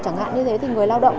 chẳng hạn như thế thì người lao động